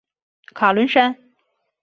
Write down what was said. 卡伦山。